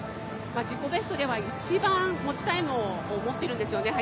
自己ベストでは１番持ちタイム、速いタイムを持っているんですよね。